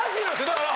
だから。